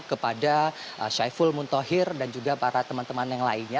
kepada syaiful muntohir dan juga para teman teman yang lainnya